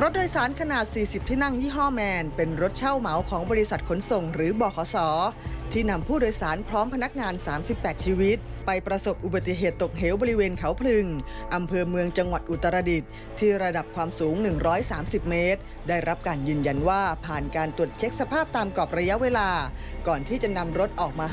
รถโดยสารขนาด๔๐ที่นั่งยี่ห้อแมนเป็นรถเช่าเหมาของบริษัทขนส่งหรือบขศที่นำผู้โดยสารพร้อมพนักงาน๓๘ชีวิตไปประสบอุบัติเหตุตกเหวบริเวณเขาพลึงอำเภอเมืองจังหวัดอุตรดิษฐ์ที่ระดับความสูง๑๓๐เมตรได้รับการยืนยันว่าผ่านการตรวจเช็คสภาพตามกรอบระยะเวลาก่อนที่จะนำรถออกมา